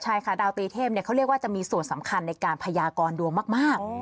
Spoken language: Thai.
ใช่ค่ะดาวตีเทพเขาเรียกว่าจะมีส่วนสำคัญในการพยากรดวงมาก